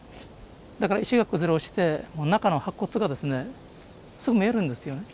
だから石が崩れ落ちて中の白骨がですねすぐ見えるんですよね。